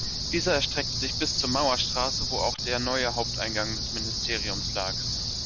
Dieser erstreckte sich bis zur Mauerstraße, wo auch der neue Haupteingang des Ministeriums lag.